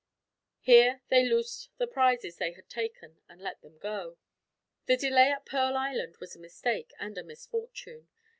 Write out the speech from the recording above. Here they loosed the prizes they had taken, and let them go. The delay at Pearl Island was a mistake, and a misfortune.